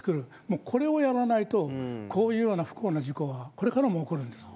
これをやらないとこういうような不幸な事故はこれからも起こるんです。